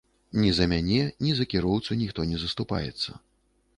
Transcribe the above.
Ні за мяне, ні за кіроўцу ніхто не заступаецца.